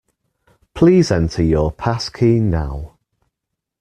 Please enter your passkey now